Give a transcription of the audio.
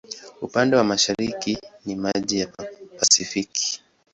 Upande wa mashariki ni maji ya Pasifiki.